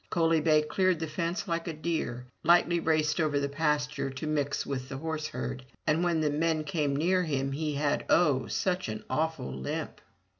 Coaly bay cleared the fence like a deer, lightly raced over the pasture to mix with the horseherd, and when the men came near him he had — oh, such an awful limp.